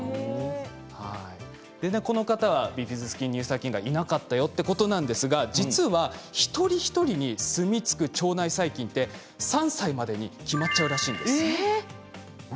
この方はビフィズス菌乳酸菌はいなかったよということですが、実は一人一人にすみつく腸内細菌って３歳までに決まっちゃうんです。